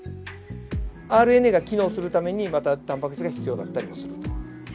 ＲＮＡが機能するためにまたタンパク質が必要だったりもすると。